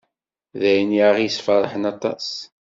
D ayen i aɣ-yesferḥen aṭas.